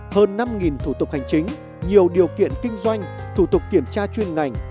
hơn năm thủ tục hành chính nhiều điều kiện kinh doanh thủ tục kiểm tra chuyên ngành